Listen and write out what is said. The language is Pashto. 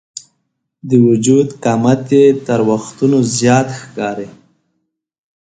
د وجود قامت یې تر وختونو زیات ښکاري.